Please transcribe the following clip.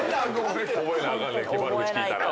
覚えなあかんねん悪口聞いたら。